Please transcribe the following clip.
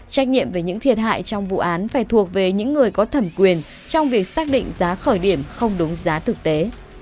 trách nhiệm về những thiệt hại trong vụ án phải thuộc về những người có thẩm quyền trong việc xác định giá khởi điểm không đúng giá thực tế